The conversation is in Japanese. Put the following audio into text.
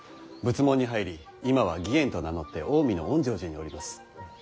仏門に入り今は義円と名乗って近江の園城寺におります。